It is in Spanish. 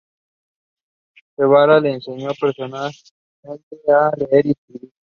Guevara le enseñó personalmente a leer y escribir.